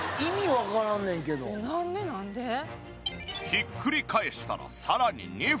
ひっくり返したらさらに２分。